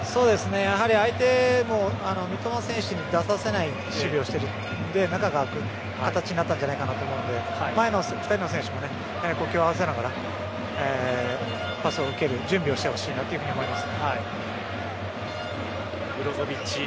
相手も三笘選手に出させない守備をしているので中が空く形になったんじゃないかと思うので前の２人の選手も呼吸を合わせながらパスを受ける準備をしてほしいなと思います。